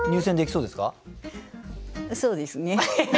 そうですね。